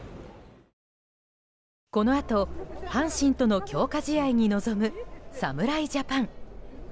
このあと阪神との強化試合に臨む侍ジャパン。